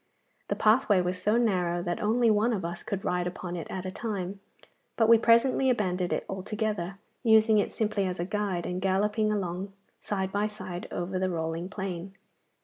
The pathway was so narrow that only one of us could ride upon it at a time, but we presently abandoned it altogether, using it simply as a guide, and galloping along side by side over the rolling plain.